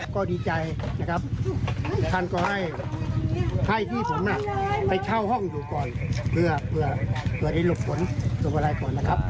ก็ให้ไข้ที่ผมน่ะไปเช่าห้องอยู่ก่อนเพื่อเพื่อได้หลุดผลเท่าไหร่ก่อนนะครับ